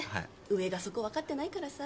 ・上がそこわかってないからさ。